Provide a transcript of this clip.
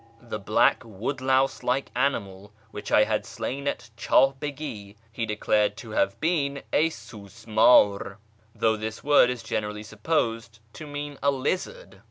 The l>Iack woodlouse like animal which I had slain at Chah Begi he declared to have been a " siismdr " (though this word is 'j,enerally supposed to mean a lizard).